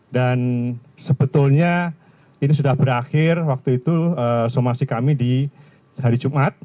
dan sebetulnya ini sudah berakhir waktu itu somasi kami di hari jumat